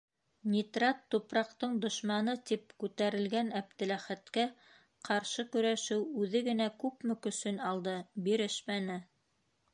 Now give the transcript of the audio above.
«Нитрат - тупраҡтың дошманы!» - тип күтәрелгән Әптеләхәткә ҡаршы көрәшеү үҙе генә күпме көсөн алды - бирешмәне.